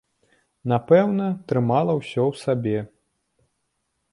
Напэўна, трымала ўсё ў сабе.